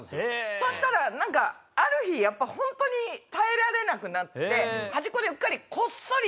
そしたらある日やっぱホントに耐えられなくなって端っこでうっかり。